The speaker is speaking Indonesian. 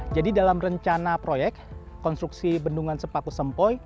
jadi dalam rencana proyek konstruksi bendungan sepaku sempoy